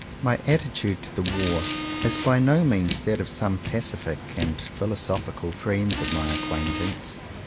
My attitude to the war is by no means that of some pacific and philosophical friends of my acquaintance.